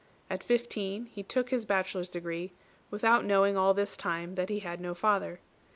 At fifteen he took his bachelor's degree, without knowing all this time that he had no father.